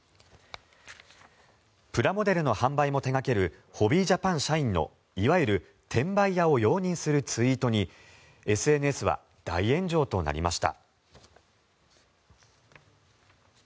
プラモデルの販売も手掛けるホビージャパン社員のいわゆる転売屋を容認するツイートにＳＮＳは大炎上となりました。